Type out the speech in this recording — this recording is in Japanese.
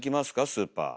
スーパー。